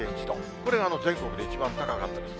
これ、全国で一番高かったです。